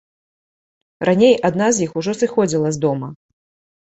Раней адна з іх ужо сыходзіла з дома.